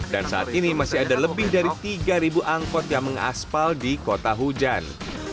dan saat ini masih ada lebih dari tiga angkot yang mengaspal di kota hujan